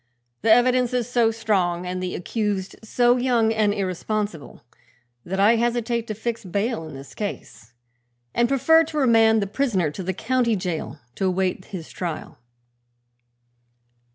The evidence is so strong and the accused so young and irresponsible, that I hesitate to fix bail in this case and prefer to remand the prisoner to the county jail to await his trial."